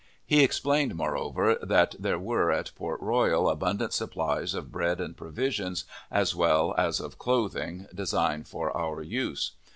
He explained, moreover, that there were at Port Royal abundant supplies of bread and provisions, as well as of clothing, designed for our use.